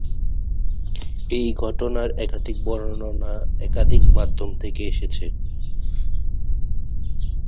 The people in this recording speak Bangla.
এই ঘটনার একাধিক বর্ণনা একাধিক মাধ্যম থেকে এসেছে।